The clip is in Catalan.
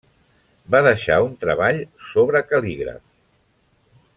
Va deixar un treball sobre cal·lígraf.